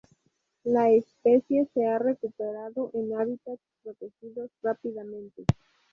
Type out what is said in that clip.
La especie se ha recuperado en hábitats protegidos rápidamente.